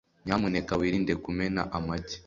Nyamuneka wirinde kumena amagi.